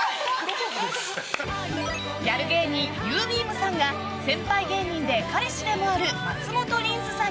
ギャル芸人ゆーびーむ☆さんが先輩芸人で彼氏でもある松本りん